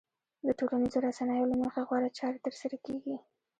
د ټولنيزو رسنيو له مخې غوره چارې ترسره کېږي.